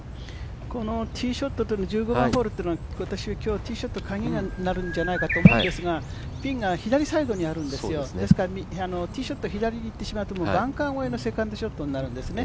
このティーショットをとる１５番ホールっていうのは鍵になるんじゃないかと思うんですがピンが左サイドにあるんですよですからティーショット左に行ってしまうとバンカー越えのセカンドショットになってしまうんですね。